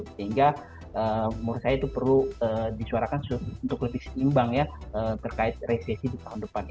sehingga menurut saya itu perlu disuarakan untuk lebih seimbang ya terkait resesi di tahun depan